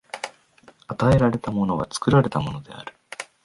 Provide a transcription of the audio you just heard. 与えられたものは作られたものである。